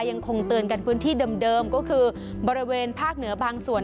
ยังคงเตือนกันพื้นที่เดิมก็คือบริเวณภาคเหนือบางส่วน